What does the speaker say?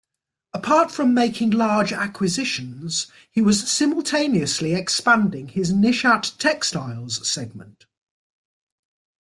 Apart from making large acquisitions, he was simultaneously expanding his Nishat Textiles segment.